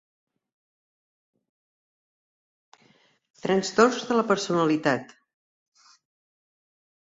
Trastorns de la personalitat.